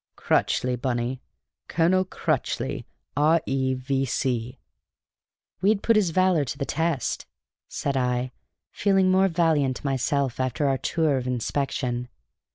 Crutchley, Bunny Colonel Crutchley, R.E., V.C." "We'd put his valor to the test!" said I, feeling more valiant myself after our tour of inspection.